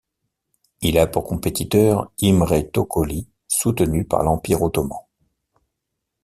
Il a pour compétiteur Imre Thököly, soutenu par l'Empire ottoman.